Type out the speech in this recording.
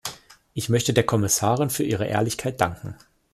Ich möchte der Kommissarin für ihre Ehrlichkeit danken.